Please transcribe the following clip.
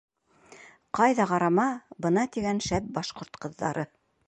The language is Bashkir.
— Ҡайҙа ҡарама, бына тигән шәп башҡорт ҡыҙҙары.